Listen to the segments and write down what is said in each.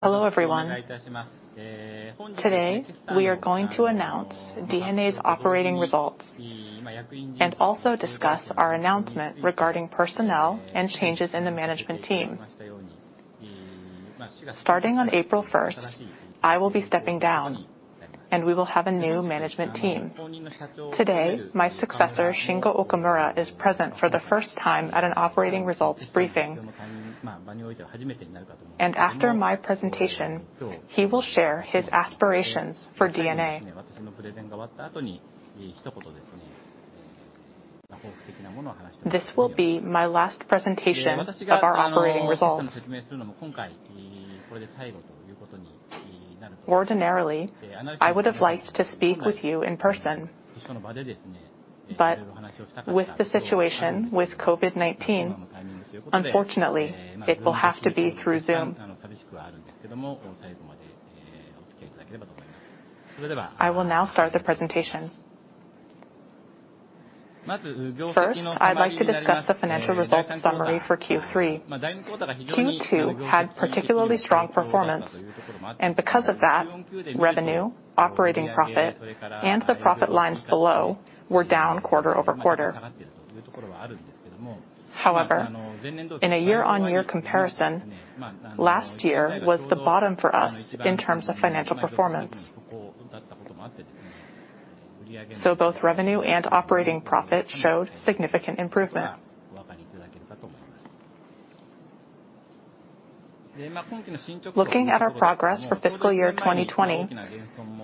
Hello, everyone. Today, we are going to announce DeNA's operating results and also discuss our announcement regarding personnel and changes in the management team. Starting on April 1st, I will be stepping down and we will have a new management team. Today, my successor, Shingo Okamura, is present for the first time at an operating results briefing. After my presentation, he will share his aspirations for DeNA. This will be my last presentation of our operating results. Ordinarily, I would've liked to speak with you in person, but with the situation with COVID-19, unfortunately, it will have to be through Zoom. I will now start the presentation. First, I'd like to discuss the financial results summary for Q3. Q2 had particularly strong performance, and because of that, revenue, operating profit, and the profit lines below were down quarter-over-quarter. In a year-on-year comparison, last year was the bottom for us in terms of financial performance. Both revenue and operating profit showed significant improvement. Looking at our progress for fiscal year 2020,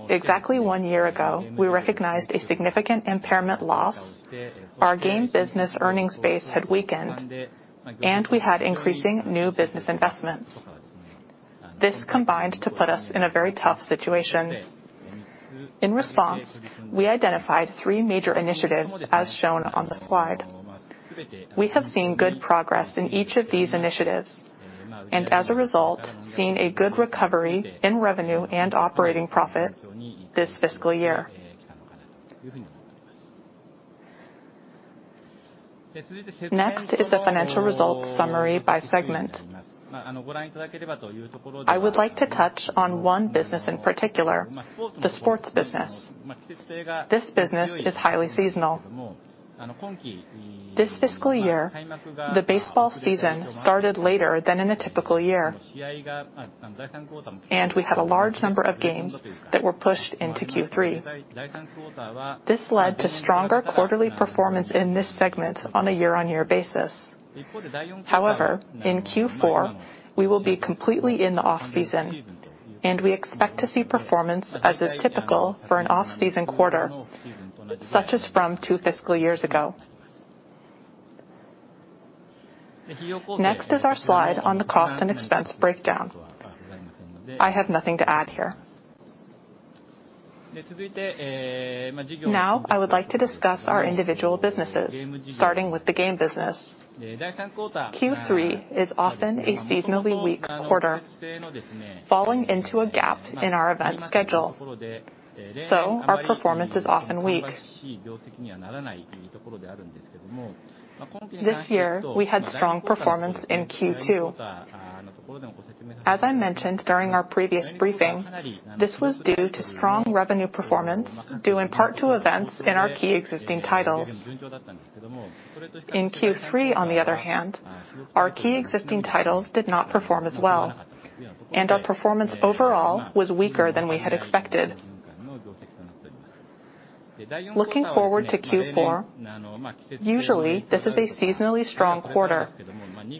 exactly one year ago, we recognized a significant impairment loss. Our game business earnings base had weakened, and we had increasing new business investments. This combined to put us in a very tough situation. In response, we identified three major initiatives as shown on the slide. We have seen good progress in each of these initiatives, and as a result, seen a good recovery in revenue and operating profit this fiscal year. Next is the financial results summary by segment. I would like to touch on one business in particular, the sports business. This business is highly seasonal. This fiscal year, the baseball season started later than in a typical year, and we had a large number of games that were pushed into Q3. This led to stronger quarterly performance in this segment on a year-on-year basis. In Q4, we will be completely in the off-season, and we expect to see performance as is typical for an off-season quarter, such as from two fiscal years ago. Next is our slide on the cost and expense breakdown. I have nothing to add here. I would like to discuss our individual businesses, starting with the game business. Q3 is often a seasonally weak quarter, falling into a gap in our event schedule, so our performance is often weak. This year, we had strong performance in Q2. As I mentioned during our previous briefing, this was due to strong revenue performance due in part to events in our key existing titles. In Q3, on the other hand, our key existing titles did not perform as well, and our performance overall was weaker than we had expected. Looking forward to Q4, usually this is a seasonally strong quarter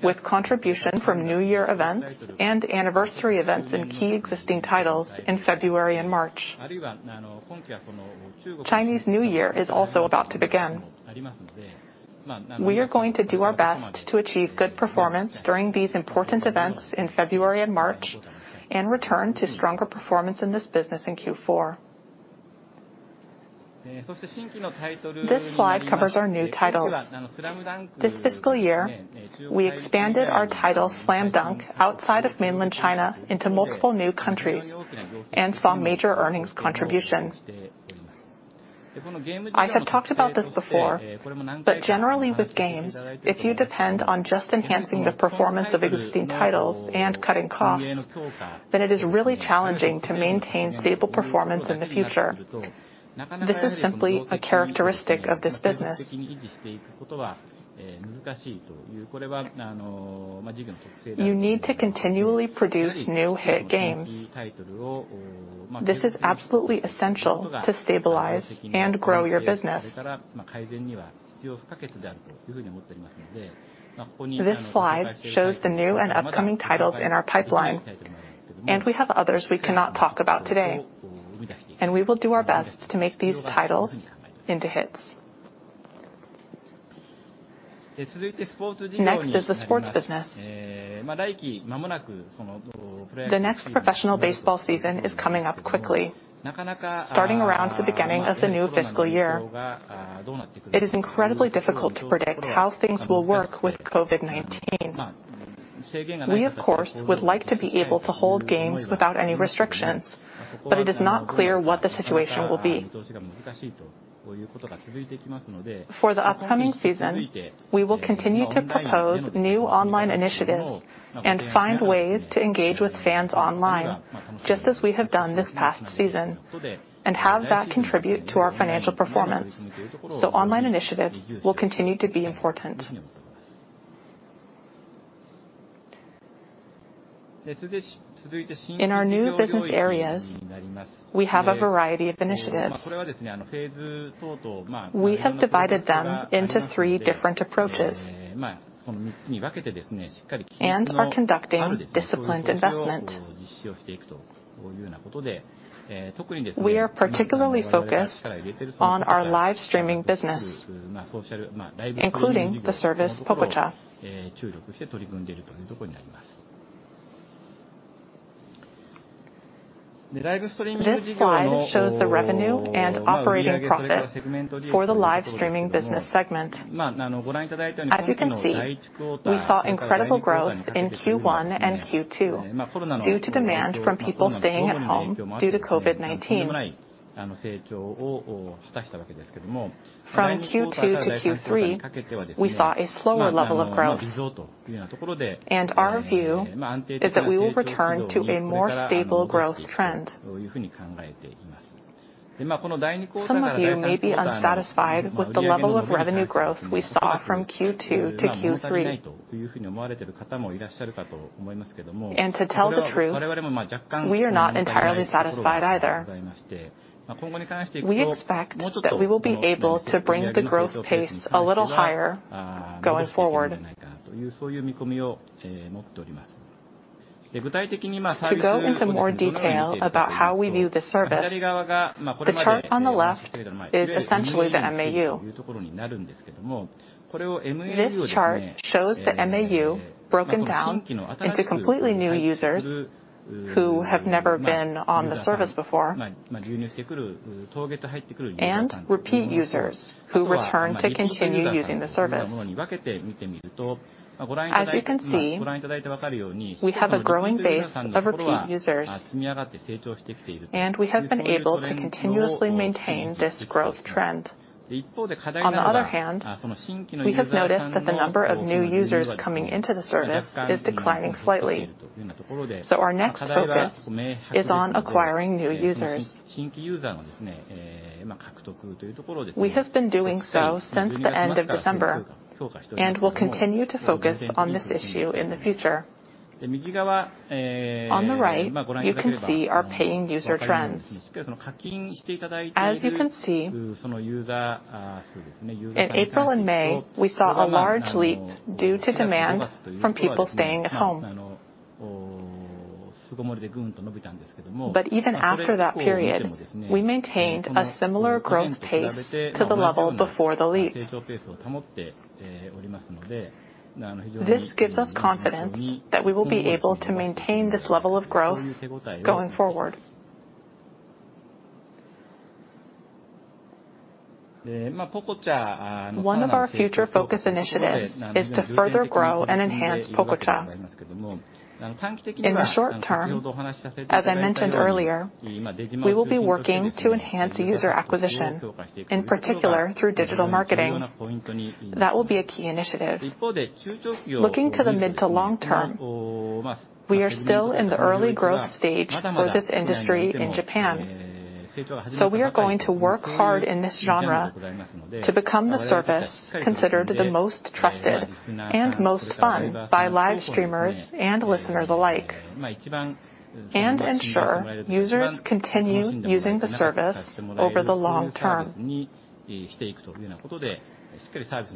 with contribution from new year events and anniversary events in key existing titles in February and March. Chinese New Year is also about to begin. We are going to do our best to achieve good performance during these important events in February and March and return to stronger performance in this business in Q4. This slide covers our new titles. This fiscal year, we expanded our title, SLAM DUNK, outside of mainland China into multiple new countries and saw major earnings contribution. I had talked about this before. Generally with games, if you depend on just enhancing the performance of existing titles and cutting costs, it is really challenging to maintain stable performance in the future. This is simply a characteristic of this business. You need to continually produce new hit games. This is absolutely essential to stabilize and grow your business. This slide shows the new and upcoming titles in our pipeline. We have others we cannot talk about today. We will do our best to make these titles into hits. Next is the sports business. The next professional baseball season is coming up quickly, starting around the beginning of the new fiscal year. It is incredibly difficult to predict how things will work with COVID-19. We, of course, would like to be able to hold games without any restrictions, but it is not clear what the situation will be. For the upcoming season, we will continue to propose new online initiatives and find ways to engage with fans online, just as we have done this past season, and have that contribute to our financial performance. Online initiatives will continue to be important. In our new business areas, we have a variety of initiatives. We have divided them into three different approaches and are conducting disciplined investment. We are particularly focused on our live streaming business, including the service, Pococha. This slide shows the revenue and operating profit for the live streaming business segment. As you can see, we saw incredible growth in Q1 and Q2 due to demand from people staying at home due to COVID-19. From Q2 to Q3, we saw a slower level of growth, and our view is that we will return to a more stable growth trend. Some of you may be unsatisfied with the level of revenue growth we saw from Q2 to Q3. To tell the truth, we are not entirely satisfied either. We expect that we will be able to bring the growth pace a little higher going forward. To go into more detail about how we view the service, the chart on the left is essentially the MAU. This chart shows the MAU broken down into completely new users who have never been on the service before and repeat users who return to continue using the service. As you can see, we have a growing base of repeat users, and we have been able to continuously maintain this growth trend. On the other hand, we have noticed that the number of new users coming into the service is declining slightly, so our next focus is on acquiring new users. We have been doing so since the end of December and will continue to focus on this issue in the future. On the right, you can see our paying user trends. As you can see, in April and May, we saw a large leap due to demand from people staying at home. Even after that period, we maintained a similar growth pace to the level before the leap. This gives us confidence that we will be able to maintain this level of growth going forward. One of our future focus initiatives is to further grow and enhance Pococha. In the short term, as I mentioned earlier, we will be working to enhance user acquisition, in particular through digital marketing. That will be a key initiative. Looking to the mid to long term, we are still in the early growth stage for this industry in Japan, so we are going to work hard in this genre to become the service considered the most trusted and most fun by live streamers and listeners alike, and ensure users continue using the service over the long term.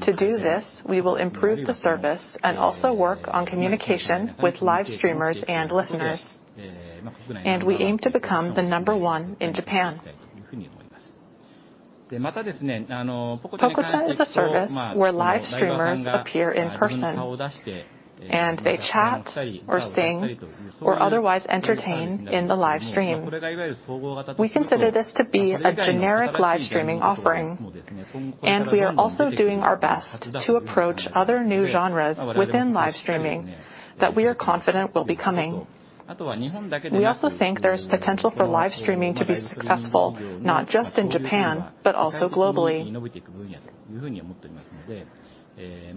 To do this, we will improve the service and also work on communication with live streamers and listeners, and we aim to become the number one in Japan. Pococha is a service where live streamers appear in person, and they chat or sing or otherwise entertain in the live stream. We consider this to be a generic live streaming offering, and we are also doing our best to approach other new genres within live streaming that we are confident will be coming. We also think there's potential for live streaming to be successful, not just in Japan, but also globally.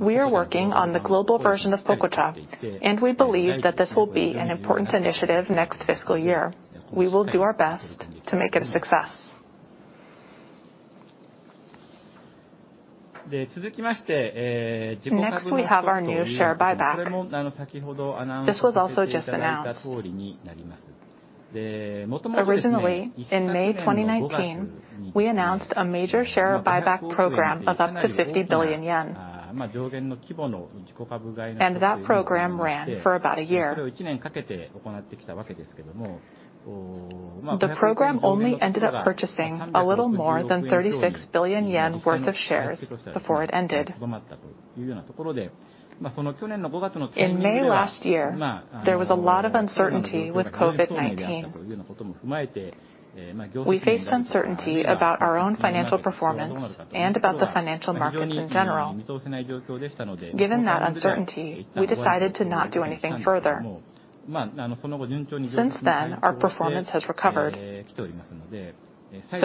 We are working on the global version of Pococha, and we believe that this will be an important initiative next fiscal year. We will do our best to make it a success. Next, we have our new share buyback. This was also just announced. Originally, in May 2019, we announced a major share buyback program of up to 50 billion yen, and that program ran for about a year. The program only ended up purchasing a little more than 36 billion yen worth of shares before it ended. In May last year, there was a lot of uncertainty with COVID-19. We faced uncertainty about our own financial performance and about the financial markets in general. Given that uncertainty, we decided to not do anything further. Since then, our performance has recovered.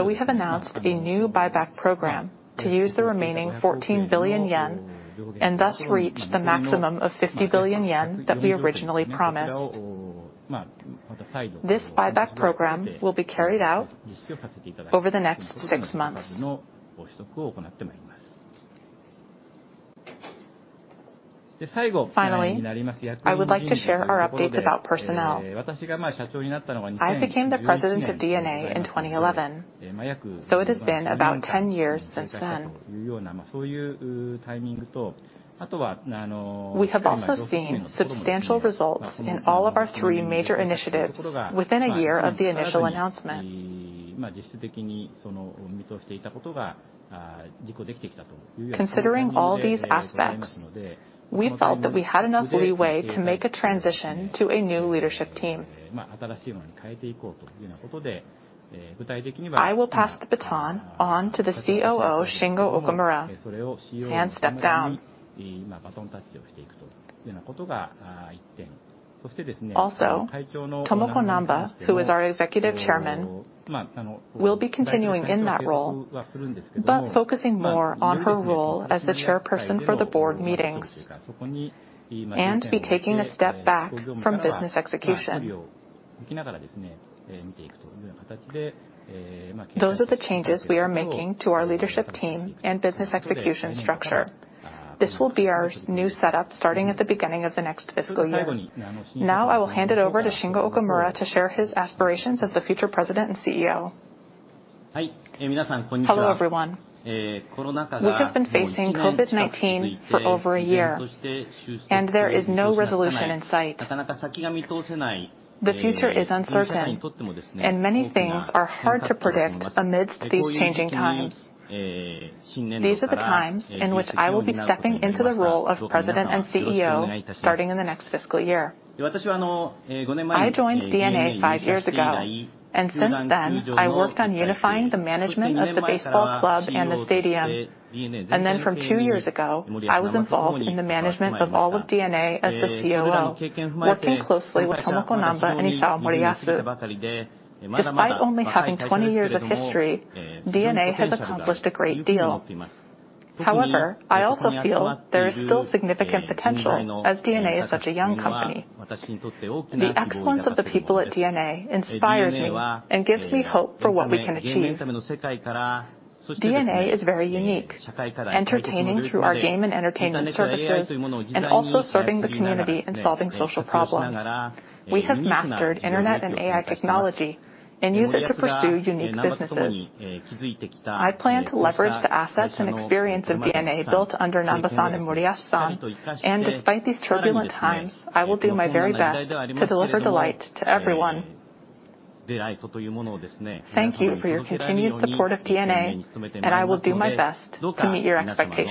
We have announced a new buyback program to use the remaining 14 billion yen, and thus reach the maximum of 50 billion yen that we originally promised. This buyback program will be carried out over the next six months. Finally, I would like to share our updates about personnel. I became the President of DeNA in 2011, it has been about 10 years since then. We have also seen substantial results in all of our three major initiatives within a year of the initial announcement. Considering all these aspects, we felt that we had enough leeway to make a transition to a new leadership team. I will pass the baton on to the COO, Shingo Okamura, and step down. Tomoko Namba, who is our Executive Chairman, will be continuing in that role, but focusing more on her role as the chairperson for the board meetings and be taking a step back from business execution. Those are the changes we are making to our leadership team and business execution structure. This will be our new setup starting at the beginning of the next fiscal year. I will hand it over to Shingo Okamura to share his aspirations as the future President and CEO. Hello, everyone. We have been facing COVID-19 for over a year, and there is no resolution in sight. The future is uncertain, and many things are hard to predict amidst these changing times. These are the times in which I will be stepping into the role of President and CEO starting in the next fiscal year. I joined DeNA five years ago. Since then, I worked on unifying the management of the baseball club and the stadium. Then from two years ago, I was involved in the management of all of DeNA as the COO, working closely with Tomoko Namba and Isao Moriyasu. Despite only having 20 years of history, DeNA has accomplished a great deal. However, I also feel there is still significant potential as DeNA is such a young company. The excellence of the people at DeNA inspires me and gives me hope for what we can achieve. DeNA is very unique, entertaining through our game and entertainment services, and also serving the community and solving social problems. We have mastered internet and AI technology and use it to pursue unique businesses. I plan to leverage the assets and experience of DeNA built under Namba-san and Moriyasu-san, and despite these turbulent times, I will do my very best to deliver delight to everyone. Thank you for your continued support of DeNA, and I will do my best to meet your expectations.